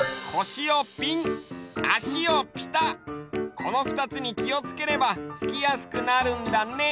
このふたつにきをつければふきやすくなるんだね！